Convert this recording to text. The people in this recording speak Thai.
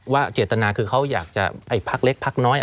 เจตนาคือเขาอยากจะพักเล็กพักน้อย